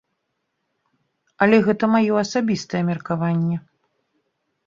Але гэтае маё асабістае меркаванне.